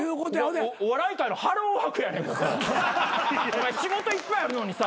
お前仕事いっぱいあるのにさ